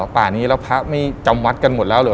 ป่านี้แล้วพระไม่จำวัดกันหมดแล้วเหรอ